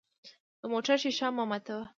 د موټر شیشه مه ماتوه.